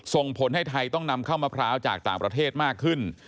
ส่งผลให้ไทยต้องนำเข้ามะพร้าวจากต่างประเทศมากขึ้น